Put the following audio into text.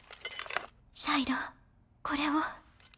シャイロこれを。